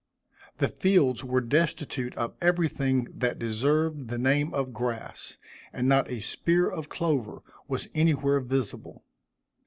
The fields were destitute of everything that deserved the name of grass, and not a spear of clover was anywhere visible.